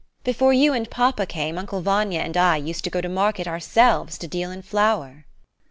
Before you and papa came, Uncle Vanya and I used to go to market ourselves to deal in flour.